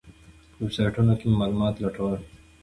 په ویبسایټونو کې مې معلومات لټول.